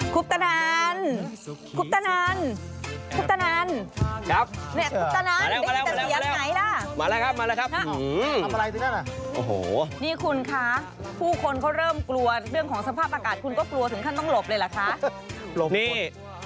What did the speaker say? คุปตะนันคุปตะนันคุปตะนันครับเนี่ยคุปตะนันมาแล้วมาแล้วมาแล้ว